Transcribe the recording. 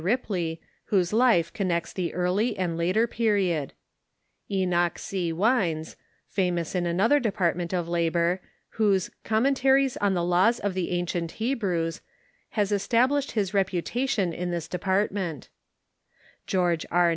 Riple}^, whose life connects the early and later period ; Enoch C. "NVincs, famous in another department of labor, whose " Commentaries on the Laws of the Ancient Hebrews" has es tablished his reputation in this department; George R.